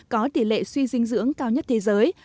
có tỷ lệ suy dinh dưỡng cao nhất thế giới